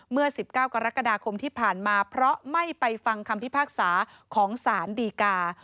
เมื่อ๑๙กรกฎาคมที่ผ่านมาเพราะไม่ไปฟังคำพิพากษาของสารดีกา